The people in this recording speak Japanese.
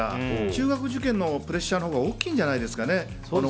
中学受験のプレッシャーのほうが大きいんじゃないですかね